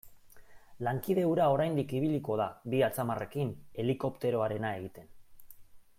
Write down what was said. Lankide hura oraindik ibiliko da bi atzamarrekin helikopteroarena egiten.